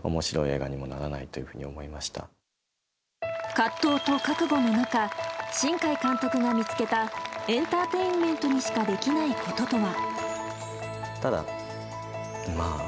葛藤と覚悟の中新海監督が見つけたエンターテインメントにしかできないこととは。